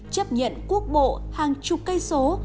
chấp nhận quốc bộ hàng chục cây số